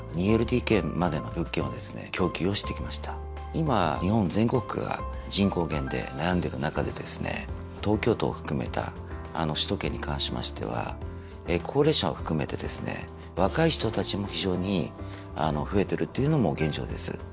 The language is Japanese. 今日本全国が人口減で悩んでる中でですね東京都を含めた首都圏に関しましては高齢者を含めてですね若い人たちも非常に増えてるっていうのも現状です。